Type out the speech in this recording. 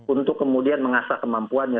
untuk kemudian mengasah kemampuannya